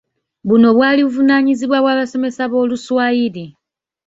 Buno bwali buvunaanyizibwa bw'abasomesa b'Oluswayiri.